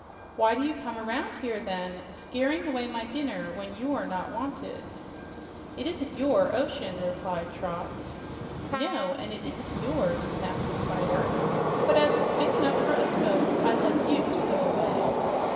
"Why do you come around here, then, scaring away my dinner when you're not wanted?" "It isn't YOUR ocean," replied Trot. "No, and it isn't yours," snapped the Spider. "But as it's big enough for us both, I'd like you to go away."